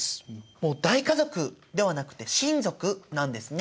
もう大家族ではなくて「親族」なんですね。